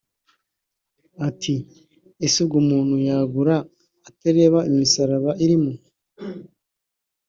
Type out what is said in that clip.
Ati “Ese ubwo umuntu yagura atareba imisaraba irimo